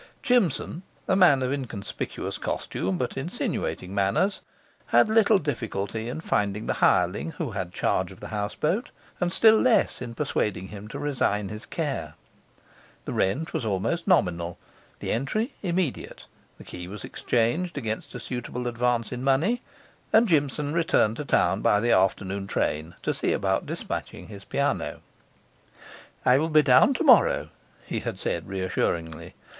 Jimson, a man of inconspicuous costume, but insinuating manners, had little difficulty in finding the hireling who had charge of the houseboat, and still less in persuading him to resign his care. The rent was almost nominal, the entry immediate, the key was exchanged against a suitable advance in money, and Jimson returned to town by the afternoon train to see about dispatching his piano. 'I will be down tomorrow,' he had said reassuringly.